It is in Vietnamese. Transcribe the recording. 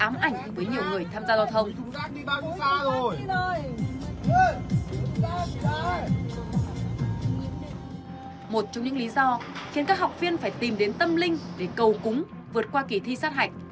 một trong những lý do khiến các học viên phải tìm đến tâm linh để cầu cúng vượt qua kỳ thi sát hạch